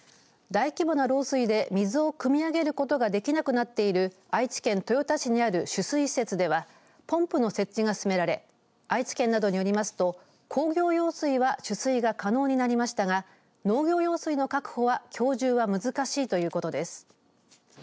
大規模な漏水で水をくみ上げることができなくなっている愛知県豊田市にある取水施設ではポンプの設置が進められ愛知県などによりますと工業用水は取水が可能になりましたが農業用水の確保はきょう中は難しいということです。